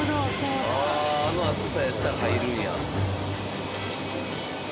あの厚さやったら入るんや。